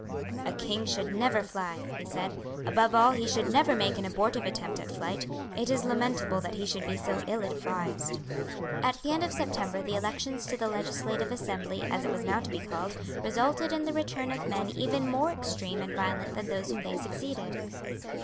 "A king should never fly," he said; "above all, he should never make an abortive attempt at flight. It is lamentable that he should be so ill advised." At the end of September the elections to the Legislative Assembly as it was now to be called, resulted in the return of men even more extreme and violent than those whom they succeeded.